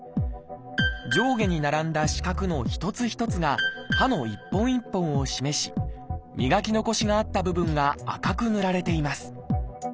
上下に並んだ四角の一つ一つが歯の一本一本を示し磨き残しがあった部分が赤く塗られています。